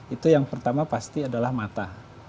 itu yang pertama pasti adalah mata